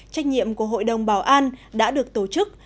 trách nhiệm của hội đồng bảo an đã được tổ chức